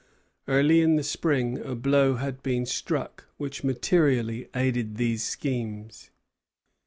Early in the spring a blow had been struck which materially aided these schemes.